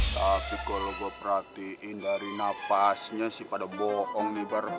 tapi kalau gue perhatiin dari nafasnya sih pada bohong nih bareng